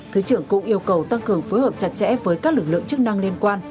thứ trưởng cũng yêu cầu tăng cường phối hợp chặt chẽ với các lực lượng chức năng liên quan